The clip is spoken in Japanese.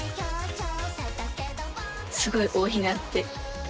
すごい多いなって。